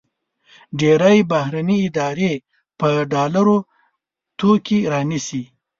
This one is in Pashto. ډېری بهرني ادارې په ډالرو توکي رانیسي.